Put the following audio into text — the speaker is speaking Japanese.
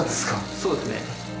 そうですね。